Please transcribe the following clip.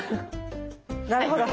なるほど。